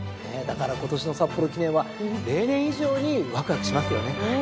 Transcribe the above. だから今年の札幌記念は例年以上にワクワクしますよね。